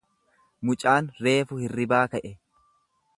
Mucaan reefu hirribaa ka'e.